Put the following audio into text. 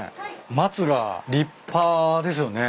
松が立派ですよね。